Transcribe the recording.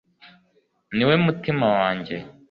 ni we mutima wanjye